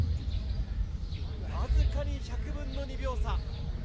僅かに１００分の２秒差。